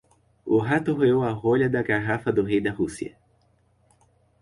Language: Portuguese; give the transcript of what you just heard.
O rato roeu a rolha da garrafa do rei da Rússia.